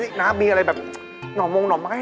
อยากกินนอ่อไม้